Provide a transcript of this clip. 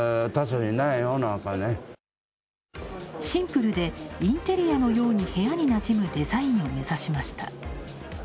シンプルでインテリアのように部屋になじむデザインを目指しました。